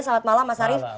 selamat malam mas arief